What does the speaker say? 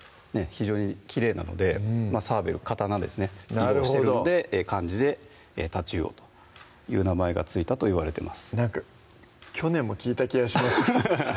非常にきれいなのでサーベル刀ですね色をしてるので漢字で太刀魚という名前が付いたといわれてますなんか去年も聞いた気がします